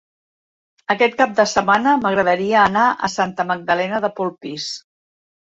Aquest cap de setmana m'agradaria anar a Santa Magdalena de Polpís.